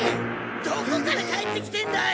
どこから帰ってきてんだい！